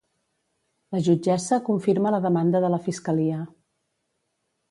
La jutgessa confirma la demanda de la fiscalia